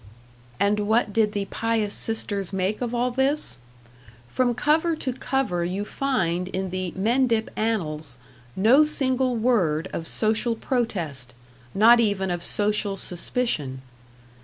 And what did the pious sisters make of all this? From cover to cover you find in the "Mendip Annals" no single word of social protest, not even of social suspicion.